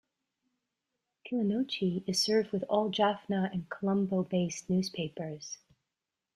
Kilinochchi is served with all Jaffna- and Colombo-based newspapers.